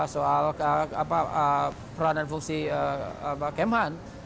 soal peranan fungsi kemhan